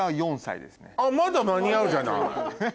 まだ間に合うじゃない。